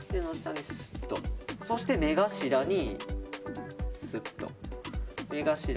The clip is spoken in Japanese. そして目頭にスッと。